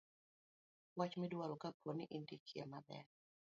wach midwaro kapo ni indike maber